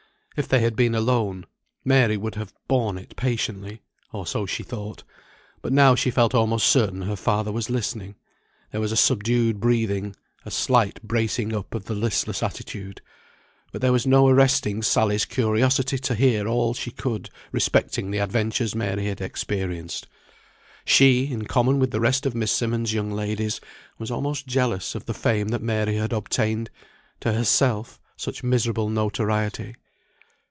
If they had been alone, Mary would have borne it patiently, or so she thought, but now she felt almost certain her father was listening; there was a subdued breathing, a slight bracing up of the listless attitude. But there was no arresting Sally's curiosity to hear all she could respecting the adventures Mary had experienced. She, in common with the rest of Miss Simmonds' young ladies, was almost jealous of the fame that Mary had obtained; to herself, such miserable notoriety.